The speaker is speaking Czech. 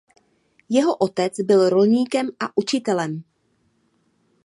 Jeho otec byl rolníkem a učitelem.